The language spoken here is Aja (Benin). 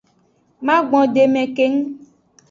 Magbondeme keng.